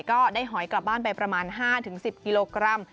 หอยกลับบ้านไปประมาณ๕๑๐กิโลกรัม